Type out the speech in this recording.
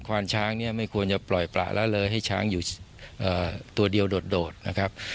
วานช้างเนี่ยไม่ควรจะปล่อยประละเลยให้ช้างอยู่ตัวเดียวโดดนะครับ